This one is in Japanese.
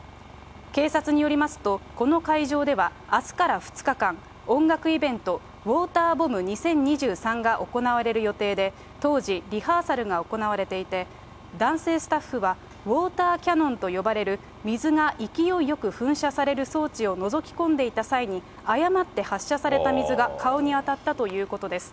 警察によりますと、この会場ではあすから２日間、音楽イベント、ウォーターボム２０２３が行われる予定で、当時、リハーサルが行われていて、男性スタッフはウォーターキャノンと呼ばれる水が勢いよく噴射される装置をのぞき込んでいた際に、誤って発射された水が顔に当たったということです。